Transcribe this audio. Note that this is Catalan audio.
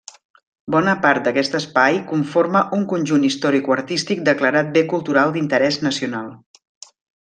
Bona part d'aquest espai conforma un conjunt historicoartístic declarat bé cultural d'interès nacional.